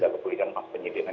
kegugilan mas penyidik